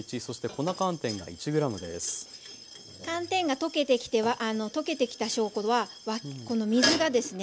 寒天が溶けてきた証拠はこの水がですね